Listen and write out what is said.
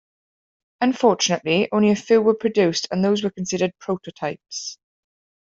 Unfortunately, only a few were produced and those were considered "prototypes".